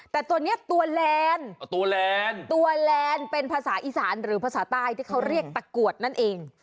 แต่ตัวนี้ตัวแลนด์ตัวแลนด์ตัวแลนด์เป็นภาษาอีสานหรือภาษาใต้ที่เขาเรียกตะกรวดนั่นเอง